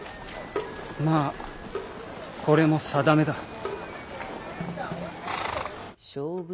まあこれも宿命だ。